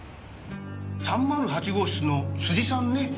３０８号室の辻さんね。